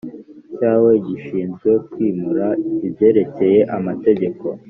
cyawe gishinzwe kwimura ibyerekeye amategeko